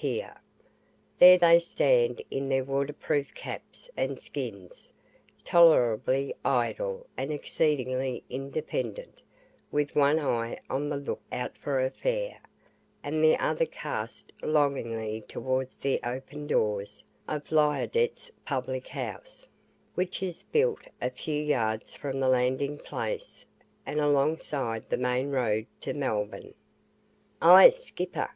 There they stand in their waterproof caps and skins tolerably idle and exceedingly independent with one eye on the look out for a fare, and the other cast longingly towards the open doors of Liardet's public house, which is built a few yards from the landing place, and alongside the main road to Melbourne. "Ah, skipper!